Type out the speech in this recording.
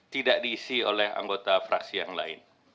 tidak diisi oleh anggota fraksi yang lain